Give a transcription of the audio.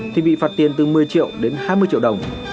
thì bị phạt tiền từ một mươi triệu đến hai mươi triệu đồng